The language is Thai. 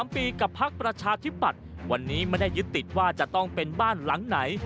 ๓ปีกับพักประชาธิปัตย์วันนี้ไม่ได้ยึดติดว่าจะต้องเป็นบ้านหลังไหน